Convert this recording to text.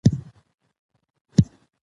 موږ باید د خپلو ښځینه لیکوالو ملاتړ وکړو.